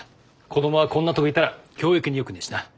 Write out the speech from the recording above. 子どもはこんなとこいたら教育によくねえしな。